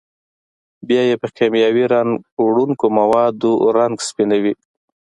بیا یې په کېمیاوي رنګ وړونکو موادو رنګ سپینوي.